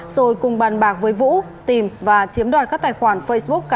rồi cùng bàn bạc với vũ tìm và chiếm đoạt các tài khoản facebook